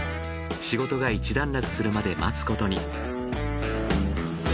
仕事が一段落するまで待つことに。